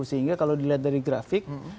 sehingga kalau dilihat dari grafik